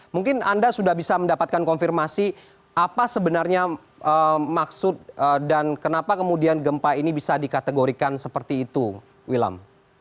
mungkin anda sudah bisa mendapatkan konfirmasi apa sebenarnya maksud dan kenapa kemudian gempa ini bisa dikategorikan seperti itu wilam